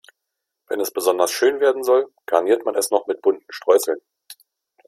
Wenn es besonders schön werden soll, garniert man es noch mit bunten Streuseln.